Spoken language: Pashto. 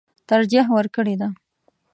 ترجېح ورکړې ده.